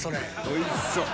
おいしそう！